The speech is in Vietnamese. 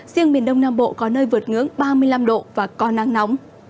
riêng miền đông nam bộ có nơi vượt ngưỡng ba mươi năm độ